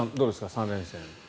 ３連戦。